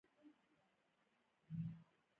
آیا هر ډول طبیعت هلته نشته؟